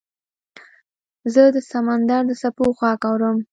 زه د سمندر د څپو غږ اورم .